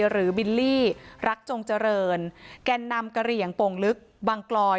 บิลลี่รักจงเจริญแก่นำกระเหลี่ยงโป่งลึกบังกลอย